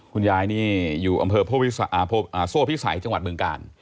คุณยายนี่อยู่อำเภอโซ่พิสัยจังหวัดบึงกาล